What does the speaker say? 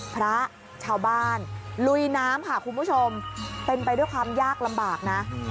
พระชาวบ้านลุยน้ำค่ะคุณผู้ชมเป็นไปด้วยความยากลำบากนะ